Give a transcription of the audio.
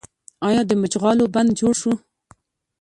آیا د مچالغو بند جوړ شو؟